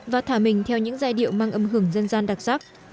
và thả mình theo những giai điệu mang âm hưởng dân gian đặc sắc